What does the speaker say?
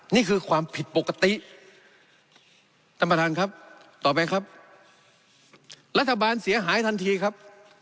นี่คือความผิดปกติต่อไปครับรัฐบาลเสียหายทันทีครับ